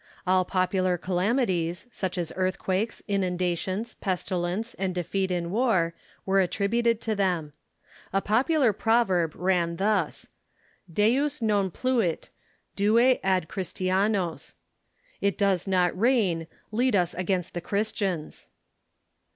All popular calamities, such as earthquakes, inundations, pes tilence, and defeat in Avar, AA'ere attributed to them. A popu lar proverb ran thus :" Deus non pluit — due ad Christianos !" "It does not rain — lead us against the Christians!"